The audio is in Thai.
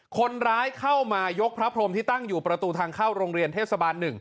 คนร้ายเข้ามายกพระพรมที่ตั้งอยู่ประตูทางเข้าโรงเรียนเทศบาล๑